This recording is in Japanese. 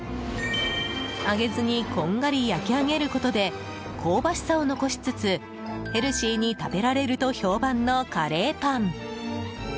揚げずにこんがり焼き上げることで香ばしさを残しつつヘルシーに食べられると評判のカレーパン。